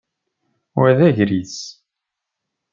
Wa d agris.